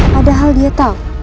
padahal dia tahu